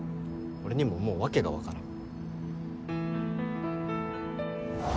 俺にももう訳が分からん。